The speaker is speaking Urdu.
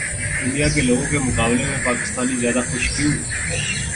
انڈیا کے لوگوں کے مقابلے میں پاکستانی زیادہ خوش کیوں